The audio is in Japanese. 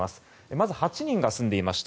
まず８人が住んでいました。